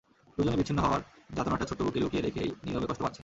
দুজনই বিচ্ছিন্ন হওয়ার যাতনাটা ছোট্ট বুকে লুকিয়ে রেখেই নীরবে কষ্ট পাচ্ছে।